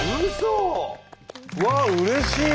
うわうれしい！